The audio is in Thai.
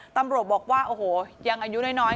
ตำรวจบอกว่ายังอายุน้อย